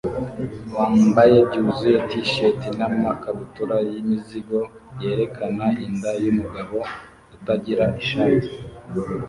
wambaye byuzuye t-shati namakabutura yimizigo yerekana inda yumugabo utagira ishati